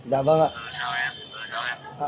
hào nhật tân không